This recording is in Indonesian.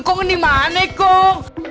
kau dimana kau